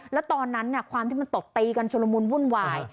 แล้วตอนนั้นความที่มันตบตีกันชุลมุนวุ่นวาย